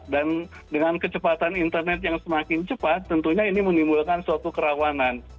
dan dengan kecepatan internet yang semakin cepat tentunya ini menimbulkan suatu kerawanan